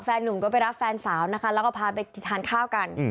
หนุ่มก็ไปรับแฟนสาวนะคะแล้วก็พาไปทานข้าวกัน